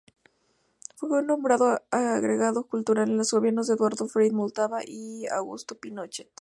Fue nombrado agregado cultural en los gobiernos de Eduardo Frei Montalva y Augusto Pinochet.